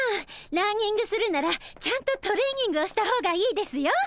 ランニングするならちゃんとトレーニングをした方がいいですよ。